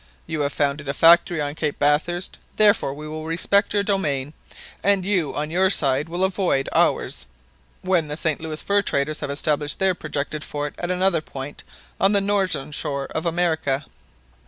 You have founded a factory on Cape Bathurst, therefore we will respect your domain, and you on your side will avoid ours, when the St Louis fur traders have established their projected fort at another point on the northern shore of America."